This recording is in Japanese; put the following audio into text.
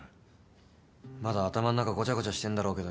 まだ頭ん中ごちゃごちゃしてんだろうけどよ